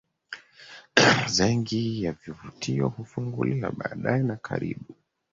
Zengi ya vivutio hufunguliwa baadaye na karibu